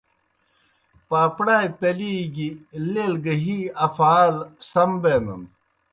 پاپڑائے تلیْ گیْ لیل گہ ہی افعال سم بینَن۔